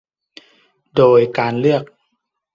โดยการเลือก